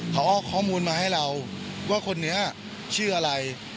เขาเอาข้อมูลมาให้เราว่าคนนี้ชื่ออะไร